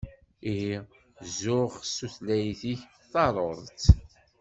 Ihi zuxx s tutlayt-ik, taruḍ-tt!